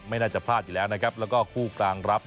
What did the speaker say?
น่าจะพลาดอยู่แล้วนะครับแล้วก็คู่กลางรับ